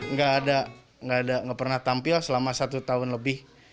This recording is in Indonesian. nggak ada nggak pernah tampil selama satu tahun lebih